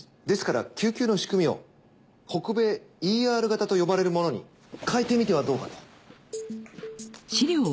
ですから救急の仕組みを北米ＥＲ型と呼ばれるものに替えてみてはどうかと。